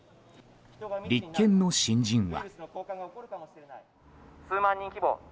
立憲の新人は。